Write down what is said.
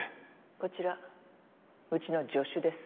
こちらうちの助手です。